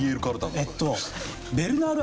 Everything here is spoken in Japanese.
えっと。